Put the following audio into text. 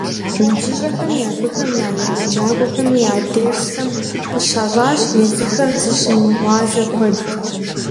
НыбжьыщӀэхэми абыхэм я егъэджакӀуэхэми а дерсхэм къыщащӀащ езыхэр зыщымыгъуазэ куэд.